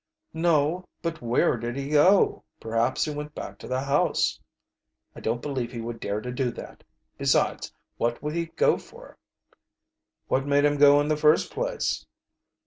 "No, but where did he go?" "Perhaps he went back to the house." "I don't believe he would dare to do that. Besides, what would he go for?" "What made him go in the first place?"